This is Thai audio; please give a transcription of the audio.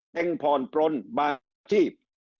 เต้งพรปรนบาทชีพ